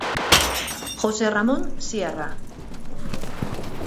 José Ramón Sierra.